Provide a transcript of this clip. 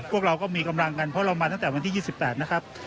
พวกเราก็มีกำลังกันเพราะเรามาตั้งแต่วันที่๒๘นะครับ